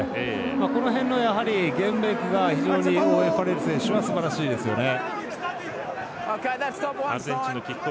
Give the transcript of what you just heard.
この辺のゲームメイクがオーウェン・ファレル選手はすばらしいですよね。